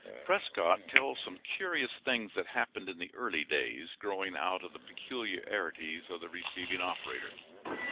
Prescott tells some curious things that happened in the early days, growing out of the peculiarities of the receiving operator.